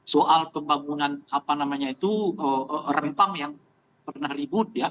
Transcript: soal pembangunan rempang yang pernah ribut